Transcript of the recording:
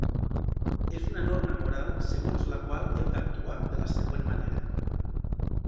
És una norma moral segons la qual hem d'actuar de la següent manera: